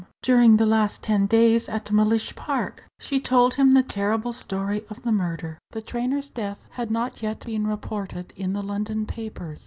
"During the last ten days at Mellish Park." She told him the terrible story of the murder. The trainer's death had not yet been reported in the London papers.